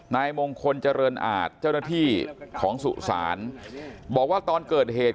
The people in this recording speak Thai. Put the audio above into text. นายมงคลเจริญอาจเจ้าหน้าที่ของสุสานบอกว่าตอนเกิดเหตุ